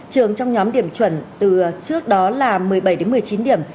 trường trong nhóm điểm chuẩn từ trước đó là một mươi bảy đến một mươi chín điểm